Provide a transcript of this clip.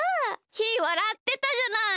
ひーわらってたじゃない。